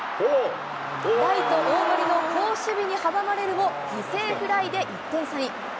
ライト、大盛の好守備に阻まれるも、犠牲フライで１点差に。